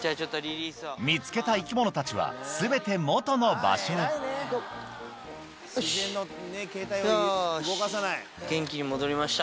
見つけた生き物たちは全て元の場所へよし！